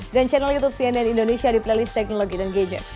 dan channel youtube cnn indonesia di playlist teknologi dan gadget